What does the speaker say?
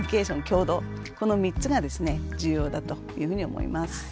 この３つがですね重要だというふうに思います。